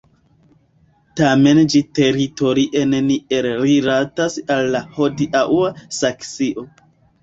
Tamen ĝi teritorie neniel rilatas al la hodiaŭa Saksio.